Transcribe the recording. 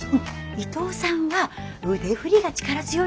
伊藤さんは腕振りが力強いの。